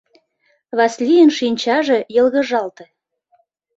— Васлийын шинчаже йылгыжалте.